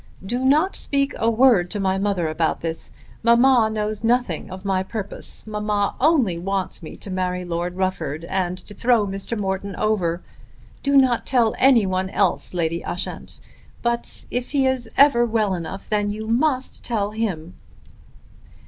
"Do not speak a word to my mother about this. Mamma knows nothing of my purpose. Mamma only wants me to marry Lord Rufford, and to throw Mr. Morton over. Do not tell anyone else, Lady Ushant; but if he is ever well enough then you must tell him."